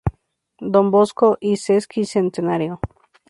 Don Bosco y Sesquicentenario.